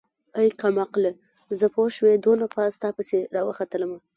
ای کمقله زه پوشوې دونه پاس تاپسې راوختلمه.